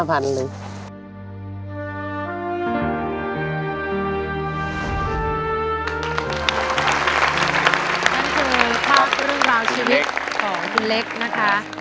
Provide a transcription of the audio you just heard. นี่คือภาพเรื่องราวชีวิตของคุณเล็กนะคะ